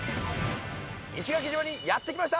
石垣島にやって来ました。